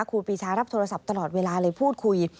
ครูปีชารับโทรศัพท์ตลอดเวลาเลยพูดคุย